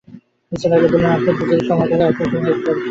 নিসার আলি বললেন, আপনাদের যদি সময় থাকে আমার সঙ্গে একটা বাড়িতে চলুন।